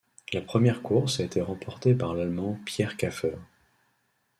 La première course a été remportée par l'Allemand Pierre Kaffer.